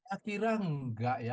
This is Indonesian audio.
akhirnya nggak ya